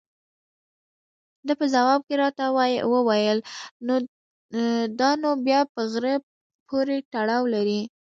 ده په ځواب کې راته وویل: دا نو بیا په غره پورې تړاو لري.